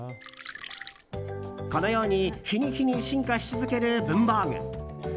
このように日に日に進化し続ける文房具。